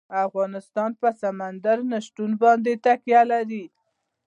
افغانستان په سمندر نه شتون باندې تکیه لري.